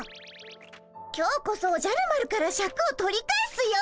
今日こそおじゃる丸からシャクを取り返すよ。